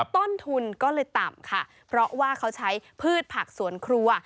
ต้นทุนก็เลยต่ำค่ะเพราะว่าเขาใช้พืชผักสวนครัว